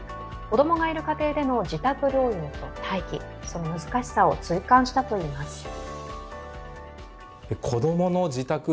子供がいる家庭での自宅療養での待機、その難しさを痛感したといいます。